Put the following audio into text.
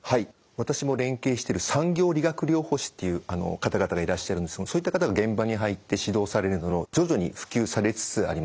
私も連携している産業理学療法士っていう方々がいらっしゃるんですがそういった方が現場に入って指導されるのを徐々に普及されつつあります。